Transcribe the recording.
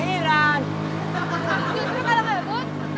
kita pulang aja